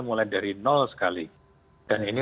mulai dari nol sekali dan ini